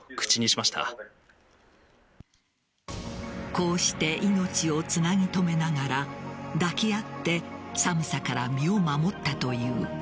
こうして命をつなぎとめながら抱き合って寒さから身を守ったという。